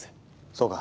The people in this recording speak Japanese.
そうか。